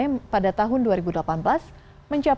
yang menurutnya adalah menurut menteri pertanian amran sulaiman